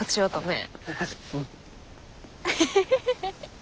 え。